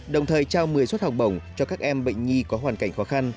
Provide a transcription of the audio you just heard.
đồng thời trao một mươi suất học bổng cho các em bệnh nhi có hoàn cảnh khó khăn